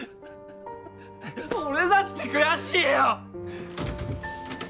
俺だって悔しいよ！